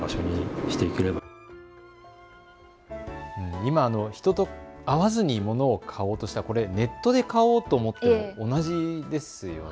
今、人と会わずにものほ買おうとしたら、ネットで買っても同じですよね。